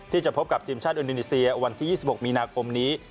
ที่จะพบกับทีมชาติอินโดนีเซียวันที่๒๖มีนาคมนี้